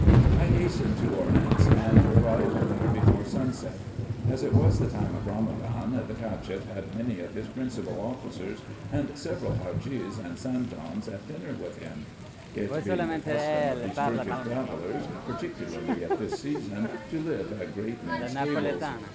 I hastened to Erments, and arrived there before sunset. As it was the time of Ramadan, the Cacheff had many of his principal officers, and several Hadgees and Santons at dinner with him ; it being the custom of these Turkish travellers, particularly at this season, to live at great men's tables.